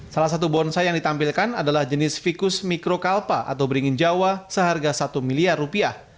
salah satu bonsai yang ditampilkan adalah jenis fikus mikrokalpa atau beringin jawa seharga satu miliar rupiah